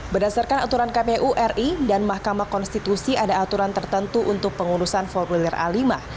berdasarkan aturan kpu ri dan mahkamah konstitusi ada aturan tertentu untuk pengurusan formulir a lima